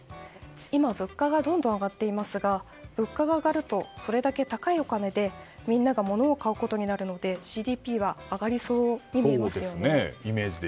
今、物価がどんどん上がっていますが物価が上がるとそれだけ高いお金でみんなが物を買うことになるのでＧＤＰは上がりそうに思いますよね。